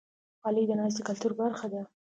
غالۍ د ناستې کلتور برخه ده.